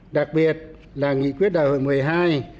đặc biệt là nghị quyết đại hội một mươi hai